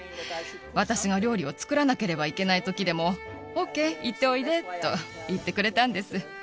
私が料理を作らなければいけないときでも、ＯＫ、行っておいでと言ってくれたんです。